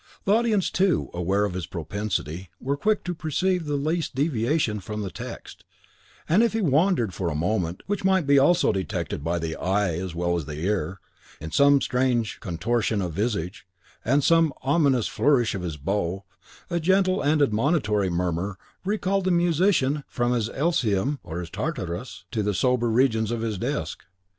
The audience, too, aware of his propensity, were quick to perceive the least deviation from the text; and if he wandered for a moment, which might also be detected by the eye as well as the ear, in some strange contortion of visage, and some ominous flourish of his bow, a gentle and admonitory murmur recalled the musician from his Elysium or his Tartarus to the sober regions of his desk.